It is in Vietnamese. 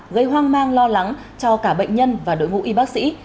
gây hoang mang lo lắng cho cả bệnh nhân và đội ngũ y bác sĩ